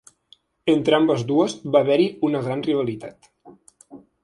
Entre ambdues va haver-hi una gran rivalitat.